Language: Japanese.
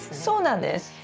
そうなんです。